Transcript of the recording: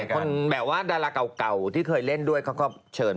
คนแบบว่าดาราเก่าที่เคยเล่นด้วยเขาก็เชิญ